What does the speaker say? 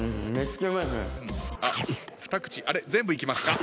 あっ２口全部いきますか？